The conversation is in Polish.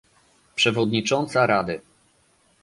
przewodnicząca Rady